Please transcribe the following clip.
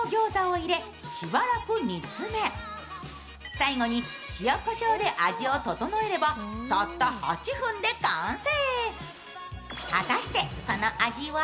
最後に塩こしょうで味を調えれば、たった８分で完成。